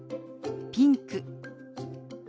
「ピンク」。